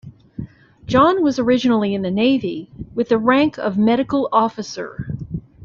John was originally in the navy, with the rank of medical officer.